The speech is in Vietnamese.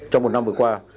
trong một năm vừa qua